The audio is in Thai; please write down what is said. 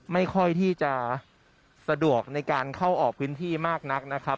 ไม่ค่อยที่จะสะดวกในการเข้าออกพื้นที่มากนักนะครับ